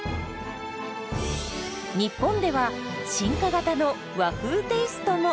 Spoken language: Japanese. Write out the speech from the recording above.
日本では進化型の和風テイストも！